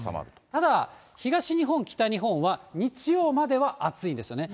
ただ東日本、北日本は日曜までは暑いんですよね。